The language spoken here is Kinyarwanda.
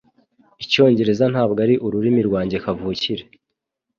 Icyongereza ntabwo ari ururimi rwanjye kavukire